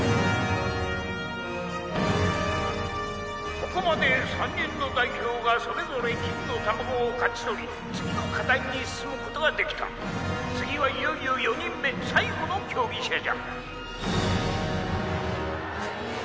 ここまで３人の代表がそれぞれ金の卵を勝ち取り次の課題に進むことができた次はいよいよ４人目最後の競技者じゃハリー！